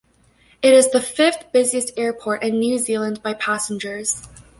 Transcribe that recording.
It is the fifth busiest airport in New Zealand by passengers.